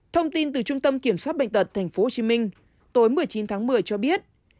thông tin từ trung tâm kiểm soát bệnh tật tp hcm tối một mươi chín tháng một mươi cho biết